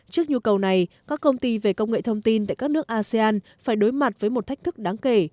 trước nhu cầu này các công ty về công nghệ thông tin tại các nước asean phải đối mặt với một thách thức đáng kể